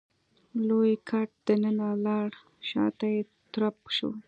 لوی ګټ دننه لاړ شاته يې ترپ شو.